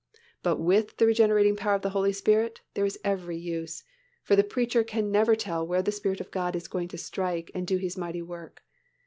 But with the regenerating power of the Holy Spirit, there is every use; for the preacher can never tell where the Spirit of God is going to strike and do His mighty work.